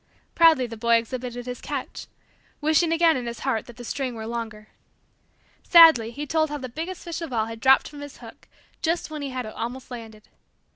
Proudly the boy exhibited his catch wishing again in his heart that the string were longer. Sadly, he told how the biggest fish of all had dropped from his hook just when he had it almost landed.